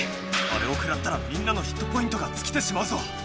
あれをくらったらみんなのヒットポイントがつきてしまうぞ！